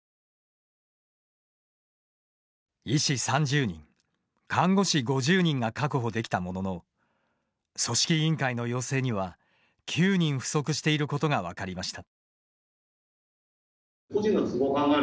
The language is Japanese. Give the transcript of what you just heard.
医師３０人、看護師５０人が確保できたものの組織委員会の要請には９人不足していることが分かりました。